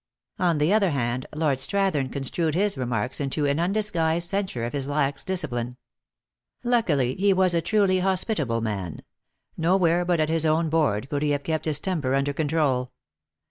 On the other hand, Lord Strathern construed his remarks into an undisguised censure of his lax dis cipline. Luckily he was a truly hospitable man : no where, but at his own board, could he have kept his temper under control.